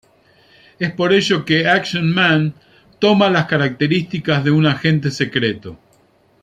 Es por ello que Action Man toma las características de un agente secreto.